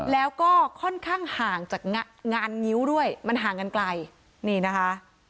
แล้วก็ค่อนข้างห่างจากงานงิ้วด้วยมันห่างกันไกลนี่นะคะ